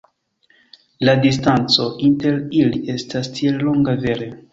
La distanco inter ili estas tiel longa, vere.